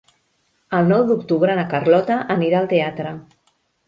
El nou d'octubre na Carlota anirà al teatre.